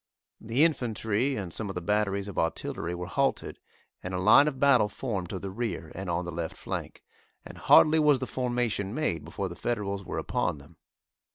The infantry and some of the batteries of artillery were halted, and a line of battle formed to the rear and on the left flank, and hardly was the formation made before the Federals were upon them.